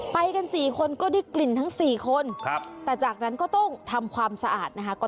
ไปกัน๔คนก็ได้กลิ่นทั้ง๔คนแต่จากนั้นก็ต้องทำความสะอาดนะคะ